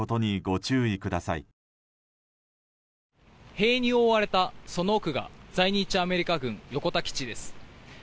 塀に覆われたその奥が在日アメリカ軍横田基地です。